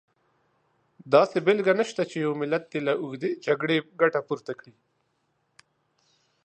داسې بېلګه نشته چې یو ملت دې له اوږدې جګړې ګټه پورته کړي.